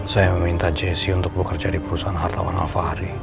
saya meminta jesse untuk bekerja di perusahaan hartawan al fahri